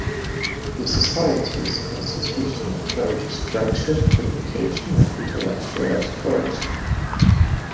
The Society's constitution encourages friendship, communication, and intellectual exploration.